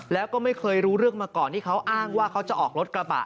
แล้วก็ไม่เคยรู้เรื่องมาก่อนที่เขาอ้างว่าเขาจะออกรถกระบะ